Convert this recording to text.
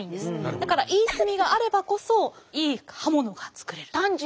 だからいい炭があればこそいい刃物が作れる。